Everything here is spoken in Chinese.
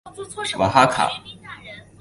瓦哈卡。